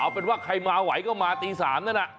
เอาเป็นว่าใครมาไหวก็มาตี๓นั่นน่ะ